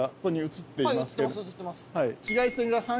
映ってます